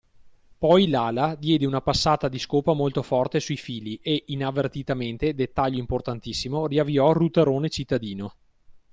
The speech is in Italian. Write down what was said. Poi Lala diede una passata di scopa molto forte sui fili e inavvertitamente (dettaglio importantissimo) riavviò il “routerone” cittadino.